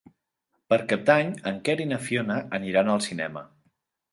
Per Cap d'Any en Quer i na Fiona aniran al cinema.